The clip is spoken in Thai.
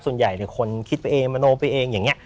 ส่วนใหญ่คนคิดไปเองมโนไปเองอย่างนี้